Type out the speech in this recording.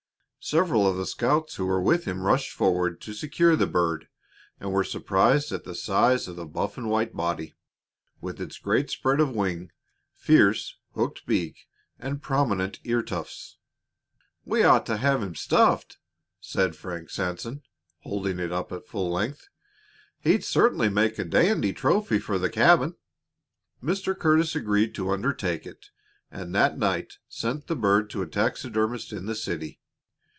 Several of the scouts who were with him rushed forward to secure the bird, and were surprised at the size of the buff and white body, with its great spread of wing, fierce, hooked beak, and prominent ear tufts. "We ought to have him stuffed," said Frank Sanson, holding it up at full length. "He'd certainly make a dandy trophy for the cabin." Mr. Curtis agreed to undertake it, and that night sent the bird to a taxidermist in the city.